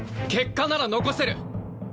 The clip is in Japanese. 結果なら残せる！